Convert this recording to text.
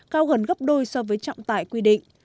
cao gần gấp đôi so với trọng tải quy định